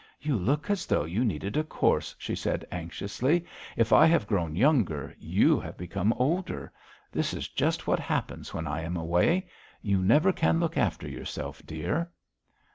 'You look as though you needed a course,' she said anxiously; 'if I have grown younger, you have become older. This is just what happens when I am away. You never can look after yourself, dear.'